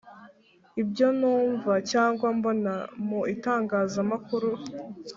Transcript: ibyo numva cyangwa mbona mu itangazamakuru.